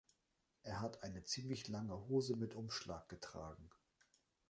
Er hat eine ziemlich lange Hose mit Umschlag getragen